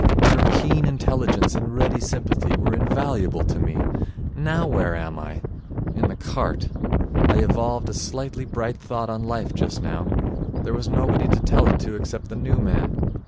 Your keen intelligence and ready sympathy were invaluable to me. Now where am I? In the cart. I evolved a slightly bright thought on life just now. There was nobody to tell it to except the new man.